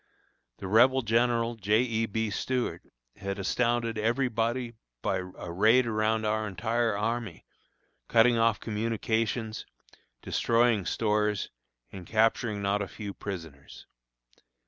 The rebel General J. E. B. Stuart had astounded every body by a raid around our entire army, cutting off communications, destroying stores, and capturing not a few prisoners.